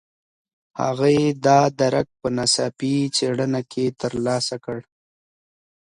هغې دا درک په ناڅاپي څېړنه کې ترلاسه کړ.